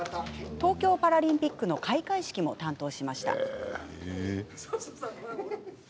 東京パラリンピックの開会式も担当しました。